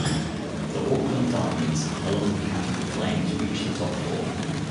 The Auckland Diamonds, along with the Canterbury Flames reached the top four.